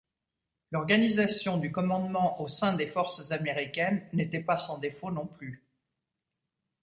L'organisation du commandement au sein des forces américaines n'était pas sans défaut non plus.